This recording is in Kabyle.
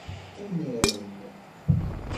Ad narem.